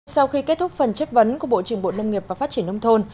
sau khi kết thúc phần chất vấn của bộ trưởng bộ nông nghiệp và phát triển nông thôn